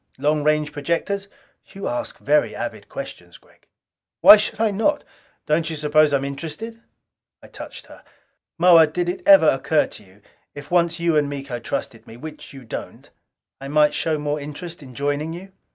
Long range projectors?" "You ask very avid questions, Gregg!" "Why should I not? Don't you suppose I'm interested?" I touched her. "Moa, did it ever occur to you, if once you and Miko trusted me which you don't I might show more interest in joining you?"